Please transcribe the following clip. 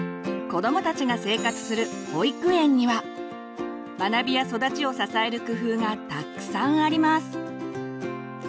子どもたちが生活する保育園には学びや育ちを支える工夫がたくさんあります。